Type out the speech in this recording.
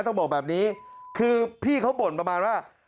ต้องบอกแบบนี้คือพี่เขาบ่นประมาณว่า